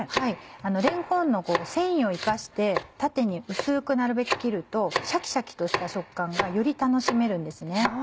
れんこんの繊維を生かして縦に薄くなるべく切るとシャキシャキとした食感がより楽しめるんですね。